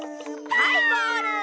はいゴール！